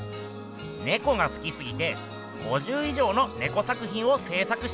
ネコがすきすぎて５０以上のネコ作品を制作したっす。